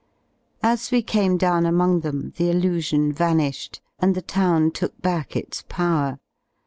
As we came down among them the illusion vanished and the town took back its power.